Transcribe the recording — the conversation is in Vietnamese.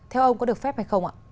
theo ông có được phép hay không ạ